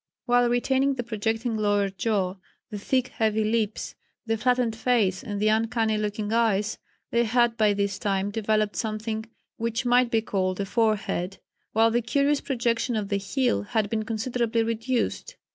While retaining the projecting lower jaw, the thick heavy lips, the flattened face, and the uncanny looking eyes, they had by this time developed something which might be called a forehead, while the curious projection of the heel had been considerably reduced.